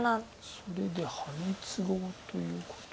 それでハネツゴうということ。